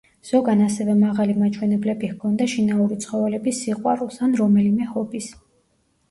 ზოგან ასევე მაღალი მაჩვენებლები ჰქონდა შინაური ცხოველების სიყვარულს, ან რომელიმე ჰობის.